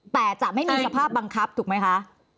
แต่จะไม่มีสภาพบังคับถูกไหมคะ